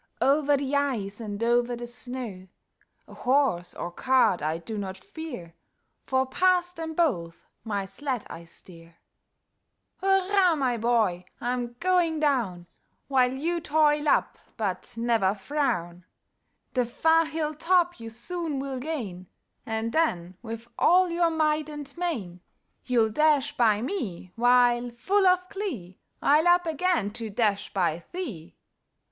Over the ice, and over the snow; A horse or cart I do not fear. For past them both my sled I steer. Hurra! my boy! I'm going down, While you toil up; but never frown; The far hill top you soon will gain, And then, with all your might and main, You'll dash by me; while, full of glee, I'll up again to dash by thee!